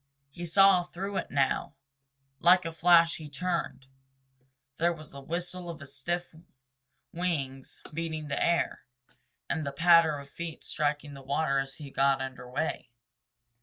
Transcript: He saw through it now. Like a flash he turned. There was the whistle of stiff wings beating the air and the patter of feet striking the water as he got under way.